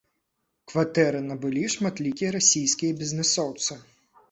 Кватэры набылі шматлікія расійскія бізнэсоўцы.